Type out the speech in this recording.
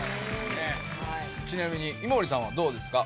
ちなみに井森さんはどうですか。